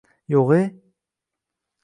Yo’g’e??